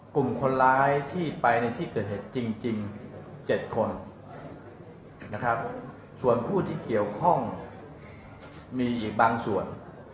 กลุ่มคนร้ายที่ไปในที่เกิดเหตุจริง๗คนนะครับส่วนผู้ที่เกี่ยวข้องมีอีกบางส่วน